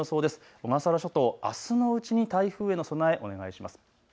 小笠原諸島、あすのうちに台風への備えをお願いします。